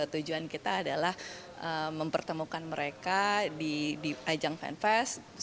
tujuan kita adalah mempertemukan mereka di ajang fanfest